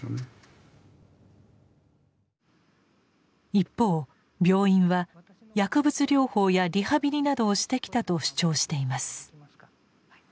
一方病院は薬物療法やリハビリなどをしてきたと主張しています。